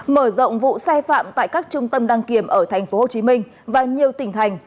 mở rộng vụ sai phạm tại các trung tâm đăng kiểm ở tp hcm và nhiều tỉnh thành